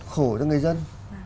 khổ cho người dân